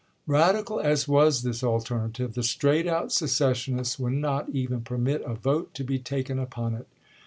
Radical as was this alternative, the straight out secessionists would not even permit a vote to be taken upon it.